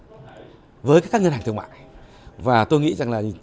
các ngân hàng việt nam các ngân hàng việt nam các ngân hàng việt nam các ngân hàng việt nam